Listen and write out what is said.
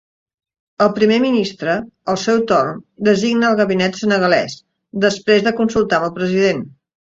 El primer ministre, al seu torn, designa el gabinet senegalès, després de consultar amb el president.